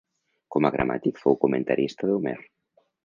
Com a gramàtic fou comentarista d'Homer.